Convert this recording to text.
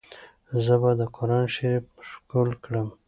زه به دا قرانشریف ښکل کړم.